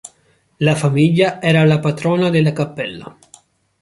La famiglia era la patrona della cappella.